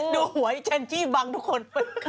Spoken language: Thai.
ดูหัวไอ้ฉันจี้บังทุกคน